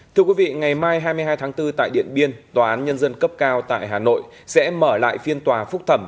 thưa quý vị ngày mai hai mươi hai tháng bốn tại điện biên tòa án nhân dân cấp cao tại hà nội sẽ mở lại phiên tòa phúc thẩm